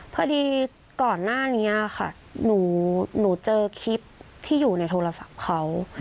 พอดีก่อนหน้านี้ค่ะหนูเจอคลิปที่อยู่ในโทรศัพท์เขา